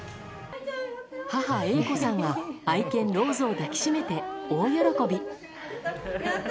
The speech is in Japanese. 母・英子さんは愛犬ローズを抱きしめて、大喜び。